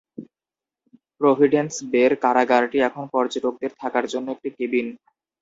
Providence বে'র কারাগারটি এখন পর্যটকদের থাকার জন্য একটি কেবিন।